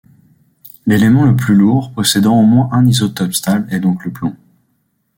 L'élément le plus lourd possédant au moins un isotope stable est donc le plomb.